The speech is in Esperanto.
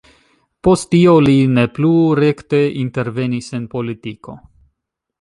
Post tio, li ne plu rekte intervenis en politiko.